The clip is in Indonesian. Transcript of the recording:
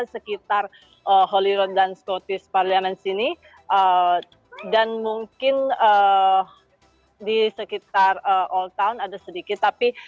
sekitar holyrood dan scottish parliament sini dan mungkin di sekitar old town ada sedikit tapi